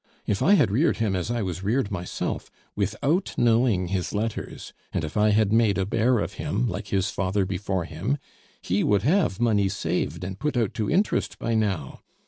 If I had reared him, as I was reared myself, without knowing his letters, and if I had made a 'bear' of him, like his father before him, he would have money saved and put out to interest by now.